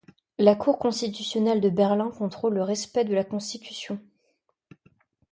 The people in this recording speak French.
La Cour constitutionnelle de Berlin contrôle le respect de la Constitution.